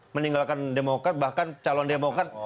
meninggalkan demokrat bahkan calon demokrat